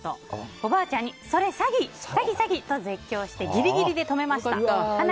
おばあちゃんにそれ詐欺！と絶叫してギリギリで止めました。